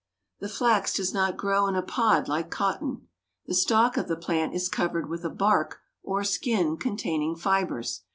The flax does not grow in a pod like cotton. The stalk of the plant is covered with a bark, or skin, containing fibers.